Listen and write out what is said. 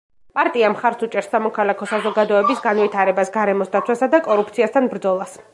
პარტია მხარს უჭერს სამოქალაქო საზოგადოების განვითარებას, გარემოს დაცვასა და კორუფციასთან ბრძოლას.